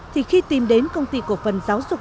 thì khi tìm đến công ty cổ phần giáo dục